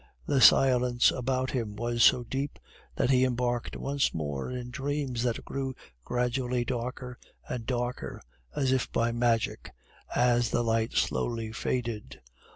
The silence about him was so deep that he embarked once more in dreams that grew gradually darker and darker as if by magic, as the light slowly faded.